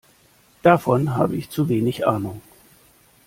Davon habe ich zu wenig Ahnung.